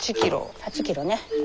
８キロね。